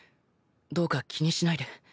どうか気にしないで。